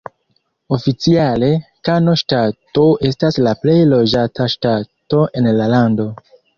Oficiale, Kano Ŝtato estas la plej loĝata ŝtato en la lando.